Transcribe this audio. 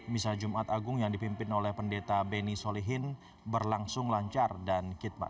misa jumat agung yang dipimpin oleh pendeta beni solihin berlangsung lancar dan khidmat